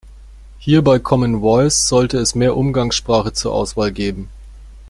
Hier bei Common Voice sollte es mehr Umgangssprache zur Auswahl geben.